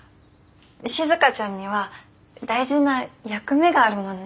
静ちゃんには大事な役目があるもんね。